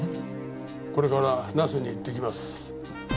これから那須に行ってきます。